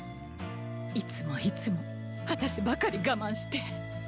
いつもいつもあたしばかり我慢して。